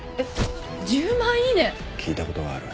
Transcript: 聞いたことがある。